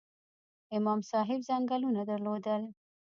امام صاحب ځنګلونه درلودل؟